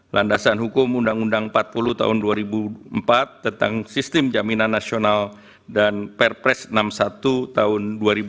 landasan hukum undang undang empat puluh tahun dua ribu empat tentang sistem jaminan nasional dan perpres enam puluh satu tahun dua ribu empat